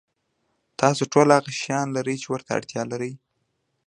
تاسو ټول هغه شیان لرئ چې ورته اړتیا لرئ.